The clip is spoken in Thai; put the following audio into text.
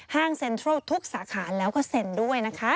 เซ็นทรัลทุกสาขาแล้วก็เซ็นด้วยนะคะ